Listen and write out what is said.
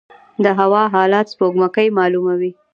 د هوا حالات سپوږمکۍ معلوموي